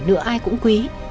nữa ai cũng quý